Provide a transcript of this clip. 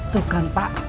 tuh kan pak